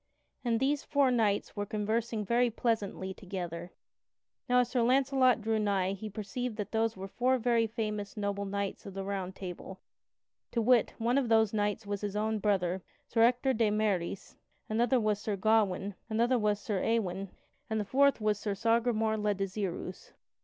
And these four knights were conversing very pleasantly together. Now as Sir Launcelot drew nigh he perceived that those were four very famous noble knights of the Round Table; to wit: one of those knights was his own brother, Sir Ector de Maris, another was Sir Gawain, another was Sir Ewain, and the fourth was Sir Sagramore le Desirous.